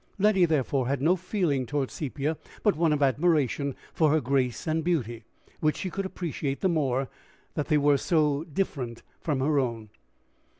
Letty, therefore, had no feeling toward Sepia but one of admiration for her grace and beauty, which she could appreciate the more that they were so different from her own.